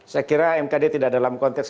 saya kira mkd tidak dalam konteks